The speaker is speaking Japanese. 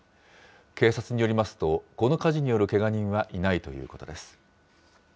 警察によりますと、この火事によるけが人はいないということです。